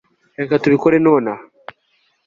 reka tubikore nonaha